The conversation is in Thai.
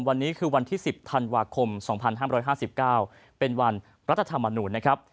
วันนี้คือวันที่๑๐ธันวาคม๒๕๕๙เป็นวันรัฐธรรมนูญนะครับ